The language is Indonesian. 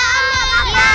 apa yang dia maksudnya